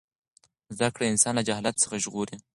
زده کړه انسان له جهالت څخه ژغوري.